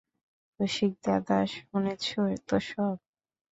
রসিকদাদা, শুনেছ তো সব?